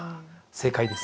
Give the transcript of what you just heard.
正解です。